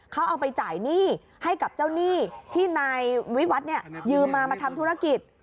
เขาเอาไปจ่ายหนี้ให้กับเจ้าหนี้ที่นายวิวัฒน์เนี่ยยืมมามาทำธุรกิจ